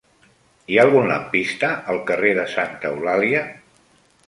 Hi ha algun lampista al carrer de Santa Eulàlia?